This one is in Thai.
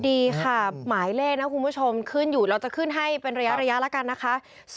ดีค่ะหมายเลขนะคุณผู้ชมขึ้นอยู่เราจะขึ้นให้เป็นระยะแล้วกันนะคะ